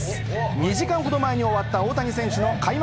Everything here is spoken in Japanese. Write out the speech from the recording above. ２時間ほど前に終わった大谷選手の開幕